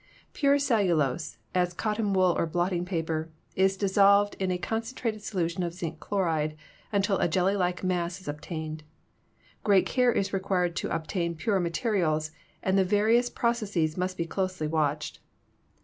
Pure cellulose, as cotton wool or blotting paper, is dis solved in a concentrated solution of zinc chloride until a jelly like mass is obtained. Great care is required to ob tain pure materials, and the various processes must be closely watched.